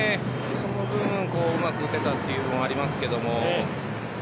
その分うまく打てたというのはありますけども。